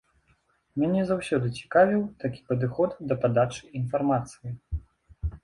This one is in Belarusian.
Мяне заўсёды цікавіў такі падыход да падачы інфармацыі.